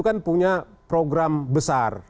kan punya program besar